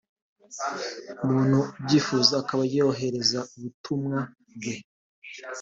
umuntu ubyifuza akaba yohereza ubutumwa bwe